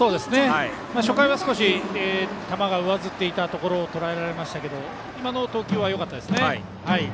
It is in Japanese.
初回は少し球が上ずっていたところをとらえられましたが今の投球はよかったですね。